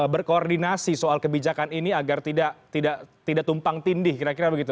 berkoordinasi soal kebijakan ini agar tidak tumpang tindih kira kira begitu